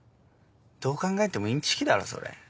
どう考えてもインチキだろそれ。